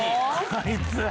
あいつ。